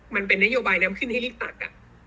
มันเป็นนโยบายนำขึ้นให้ริกตัก